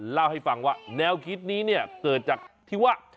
เล่าให้ฟังว่าแนวคิดนี้เนี่ยเกิดจากที่ว่า